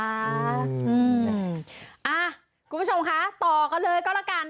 อ่าคุณผู้ชมค่ะต่อกันเลยก็ละกัน